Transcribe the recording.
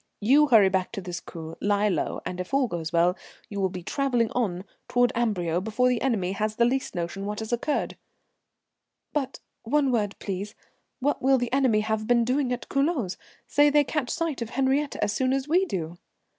You hurry back to this coupé, lie low, and, if all goes well, you will be travelling on toward Amberieu before the enemy has the least notion what has occurred." "But one word, please. What will the enemy have been doing at Culoz? Say they catch sight of Henriette as soon as we do?"